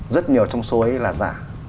rất nhiều trong số ấy là giả